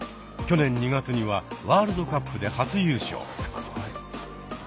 去年２月にはワールドカップで初優勝。